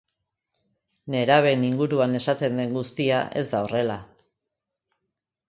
Nerabeen inguruan esaten den guztia ez da horrela.